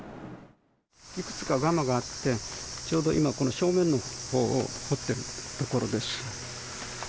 いくつかガマがあって、ちょうど今、この正面のほうを掘ってるところです。